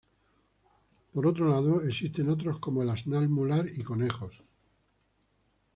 Por otro lado existen otros como el asnal mular y conejos.